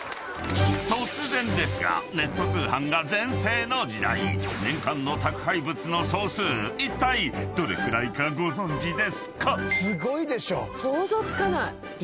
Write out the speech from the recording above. ［突然ですがネット通販が全盛の時代年間の宅配物の総数いったいどれくらいかご存じですか？］